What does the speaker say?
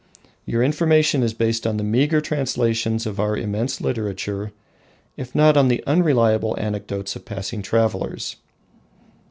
Your information is based on the meagre translations of our immense literature, if not on the unreliable anecdotes of passing travellers.